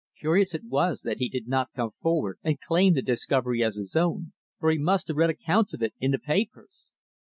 Curious it was that he did not come forward and claim the discovery as his own, for he must have read accounts of it in the papers.